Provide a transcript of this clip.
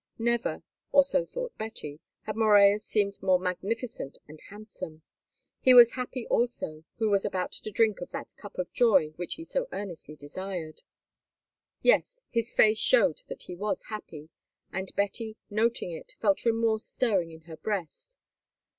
Never, or so thought Betty, had Morella seemed more magnificent and handsome. He was happy also, who was about to drink of that cup of joy which he so earnestly desired. Yes, his face showed that he was happy, and Betty, noting it, felt remorse stirring in her breast.